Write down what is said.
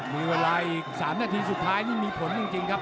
มีเวลาอีก๓นาทีสุดท้ายนี่มีผลจริงครับ